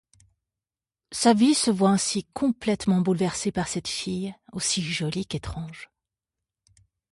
Sa vie se voit ainsi complètement bouleversée par cette fille aussi jolie qu'étrange…